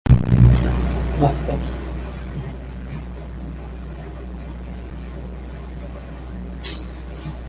Gilead is later mentioned as the homeplace of the prophet Elijah.